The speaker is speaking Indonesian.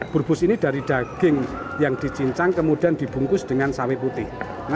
burbus ini dari daging yang dicincang kemudian dibungkus dengan sawi putih